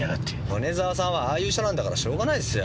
米沢さんはああいう人なんだからしょうがないですよ。